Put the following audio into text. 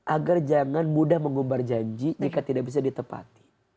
agar jangan mudah mengumbar janji jika tidak bisa ditepati